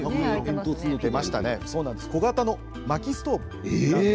小型のまきストーブなんです。